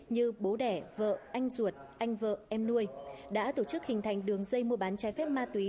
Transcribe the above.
như bố đẻ vợ anh ruột anh vợ em nuôi đã tổ chức hình thành đường dây mua bán trái phép ma túy